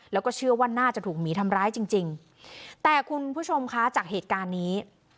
แล้วก็เชื่อว่าน่าจะถูกหมีทำร้ายจริงจริงแต่คุณผู้ชมคะจากเหตุการณ์นี้